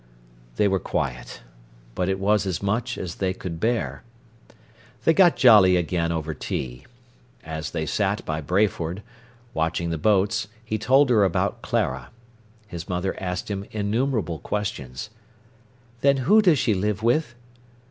They were quiet. But it was as much as they could bear. They got jolly again over tea. As they sat by Brayford, watching the boats, he told her about Clara. His mother asked him innumerable questions. "Then who does she live with?"